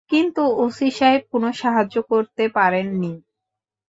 কিন্তু ওসি সাহেব কোনো সাহায্য করতে পারেন নি।